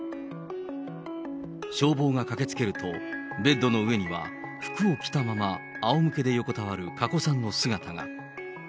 消防が駆けつけると、ベッドの上には服を着たまま、あおむけで横たわる加古さんの姿が。